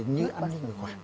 như ăn như người khoản